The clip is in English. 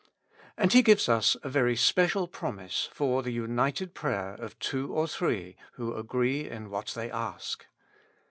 And He gives us a very special promise for the united prayer of two or three who agree in what they ask.